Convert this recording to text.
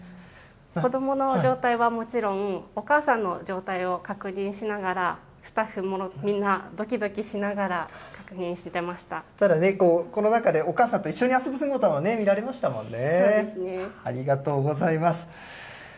子どもの状態はもちろん、お母さんの状態を確認しながら、スタッフもみんな、どきどきしながら確ただね、この中でお母さんと一緒に遊ぶ姿も見られましたもんね。